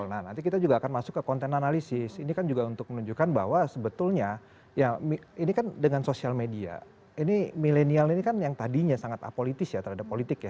nah nanti kita juga akan masuk ke konten analisis ini kan juga untuk menunjukkan bahwa sebetulnya ya ini kan dengan sosial media ini milenial ini kan yang tadinya sangat apolitis ya terhadap politik ya